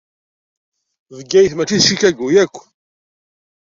Bgayet mačči am Chikago akk.